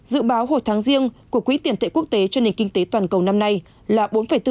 dự báo hồi tháng riêng của quỹ tiền tệ quốc tế cho nền kinh tế toàn cầu năm nay là bốn bốn